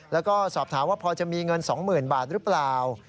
แล้วก็สอบถามว่าพอจะมีเงิน๒๐๐๐บาทหรือเปล่า